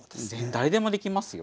誰でもできますよ。